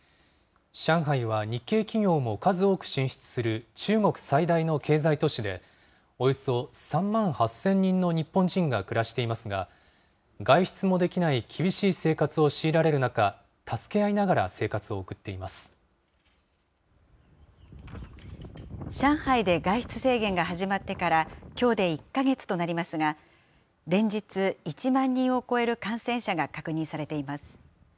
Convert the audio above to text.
上海は日系企業も数多く進出する中国最大の経済都市で、およそ３万８０００人の日本人が暮らしていますが、外出もできない厳しい生活を強いられる中、助け合いながら生活を上海で外出制限が始まってから、きょうで１か月となりますが、連日、１万人を超える感染者が確認されています。